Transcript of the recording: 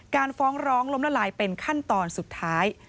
ฟ้องร้องล้มละลายเป็นขั้นตอนสุดท้าย